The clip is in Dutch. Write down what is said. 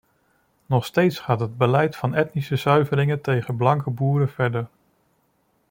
Nog steeds gaat het beleid van etnische zuivering tegen blanke boeren verder.